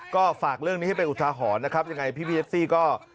ก็ฝากเรื่องนี้ให้เป็นอุทาหรณ์นะครับยังไงพี่เอฟซี่ก็